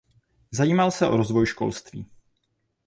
Zajímal se o rozvoj školství.